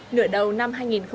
nửa đầu năm hai nghìn hai mươi ba